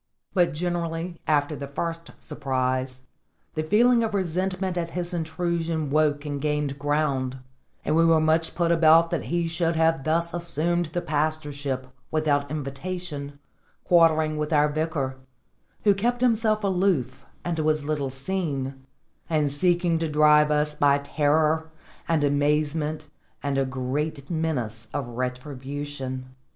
But, generally, after the first surprise, the feeling of resentment at his intrusion woke and gained ground, and we were much put about that he should have thus assumed the pastorship without invitation, quartering with our Vicar; who kept himself aloof and was little seen, and seeking to drive us by terror, and amazement, and a great menace of retribution.